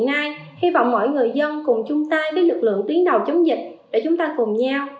ai hy vọng mỗi người dân cùng chung tay với lực lượng tuyến đầu chống dịch để chúng ta cùng nhau